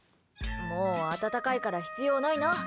もう暖かいから必要ないな。